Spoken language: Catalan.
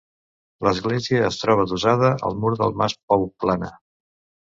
L'església es troba adossada al mur del Mas Pouplana.